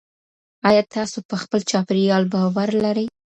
آيا تاسو په خپل چاپېريال باور لرئ؟